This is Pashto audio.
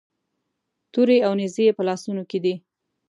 تورې او نیزې یې په لاسونو کې دي.